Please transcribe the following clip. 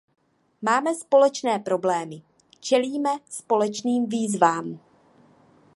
Máme společné problémy, čelíme společným výzvám.